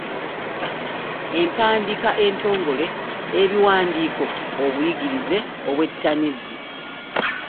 empandiika entongole, ebiwandiiko, obuyigirize, obwettanizi